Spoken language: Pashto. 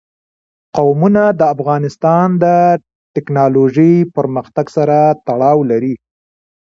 قومونه د افغانستان د تکنالوژۍ پرمختګ سره تړاو لري.